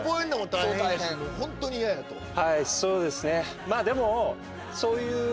はいそうですね。